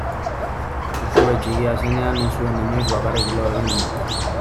Uxue txikia zenean ez zuen inoiz bakarrik lo egin nahi.